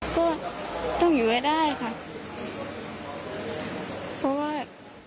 ก็ต้องอยู่ให้ได้ค่ะเพราะว่า